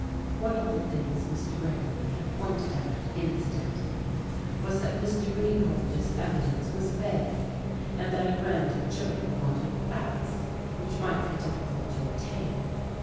One of the things Mr. Gregory had pointed out incidentally was that Mr. Greenhalge's evidence was vague, and that a grand jury wanted facts, which might be difficult to obtain.